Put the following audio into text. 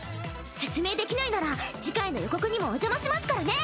説明できないなら次回の予告にもお邪魔しますからね！